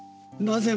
なぜ！